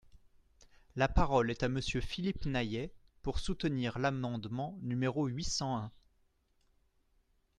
La parole est à Monsieur Philippe Naillet, pour soutenir l’amendement numéro huit cent un.